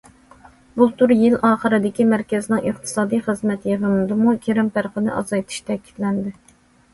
بۇلتۇر يىل ئاخىرىدىكى مەركەزنىڭ ئىقتىسادىي خىزمەت يىغىنىدىمۇ كىرىم پەرقىنى ئازايتىش تەكىتلەندى.